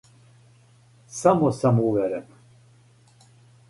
Само самуверено.